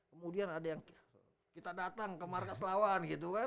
kemudian ada yang kita datang ke markas lawan gitu kan